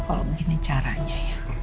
kalau begini caranya ya